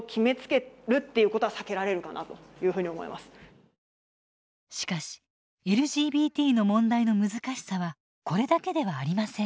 そこに少なくともしかしＬＧＢＴの問題の難しさはこれだけではありません。